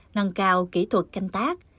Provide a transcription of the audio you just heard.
nâng cao kỹ thuật canh tác